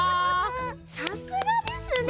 さすがですねえ。